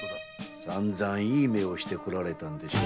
さんざんいい目をみてきたのでしょう？